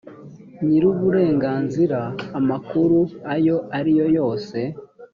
nyir uburenganzira amakuru ayo ari yo yose